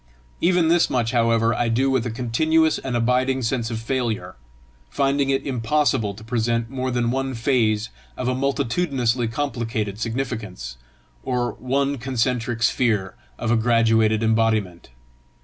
Even this much, however, I do with a continuous and abiding sense of failure, finding it impossible to present more than one phase of a multitudinously complicated significance, or one concentric sphere of a graduated embodiment.